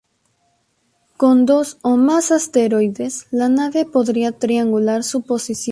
Con dos ó más asteroides la nave podía triangular su posición.